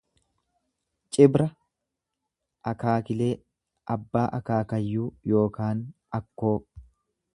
Cibra akaakilee, abbaa akaakayyuu ykn akkoo.